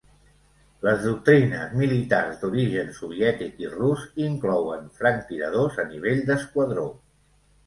Les doctrines militars d'origen soviètic i rus inclouen franctiradors a nivell d'esquadró.